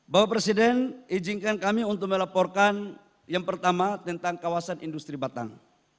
bapak presiden izinkan kami untuk melaporkan yang pertama tentang kawasan industri batang